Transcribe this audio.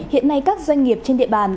hiện nay các doanh nghiệp trên địa bàn